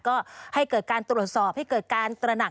ก็ให้เกิดการตรวจสอบให้เกิดการตระหนัก